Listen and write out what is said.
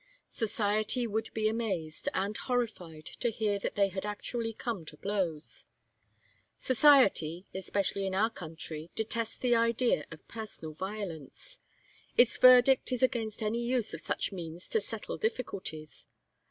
Society would be amazed and horrified to hear that they had actually come to blows. Society, especially in our country, detests the idea of personal violence. Its verdict is against any use of such means to settle difficulties.